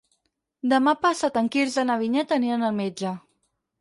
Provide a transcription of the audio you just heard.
Demà passat en Quirze i na Vinyet aniran al metge.